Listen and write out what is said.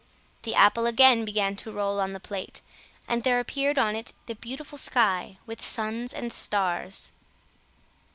The apple again began to roll on the plate, and there appeared on it the beautiful sky with suns and stars.